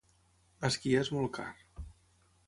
Esquiar és molt car.